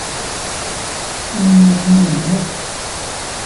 Inim-asen i medden akk.